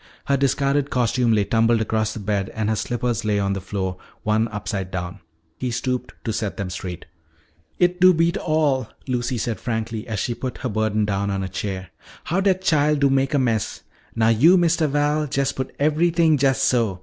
Her discarded costume lay tumbled across the bed and her slippers lay on the floor, one upside down. He stooped to set them straight. "It do beat all," Lucy said frankly as she put her burden down on a chair, "how dat chile do mak' a mess. Now yo', Mistuh Val, jest put eberythin' jest so.